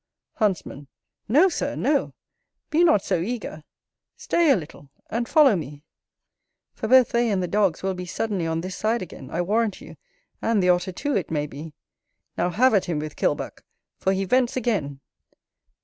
Huntsman. No, Sir, no; be not so eager; stay a little, and follow me; for both they and the dogs will be suddenly on this side again, I warrant you, and the Otter too, it may be. Now have at him with Kilbuck, for he vents again.